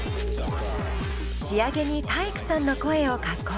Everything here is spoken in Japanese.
仕上げに体育さんの声を加工。